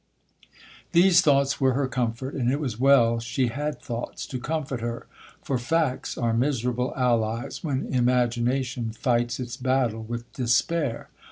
'These thoughts were her comfort, and it was well she had thoughts to comfort her, for facts are miserable allies when imagination fights its battle with despair.